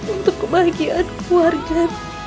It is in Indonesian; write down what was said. untuk kebahagiaan keluarga